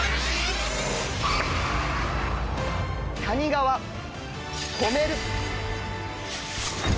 谷川とめる。